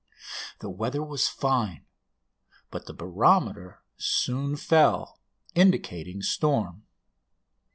The weather was fine, but the barometer soon fell, indicating storm.